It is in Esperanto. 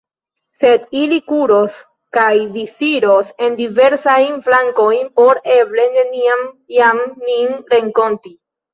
Sed ili kuros kaj disiros en diversajn flankojn, por eble neniam jam nin renkonti.